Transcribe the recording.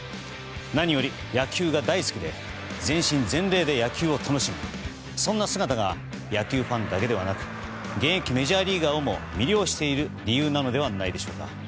何より野球が大好きで全身全霊で野球を楽しむそんな姿が野球ファンだけでなく現役メジャーリーガーをも魅了している理由なのではないでしょうか。